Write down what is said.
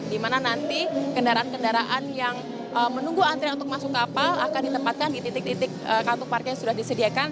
di mana nanti kendaraan kendaraan yang menunggu antrian untuk masuk kapal akan ditempatkan di titik titik kantung parkir yang sudah disediakan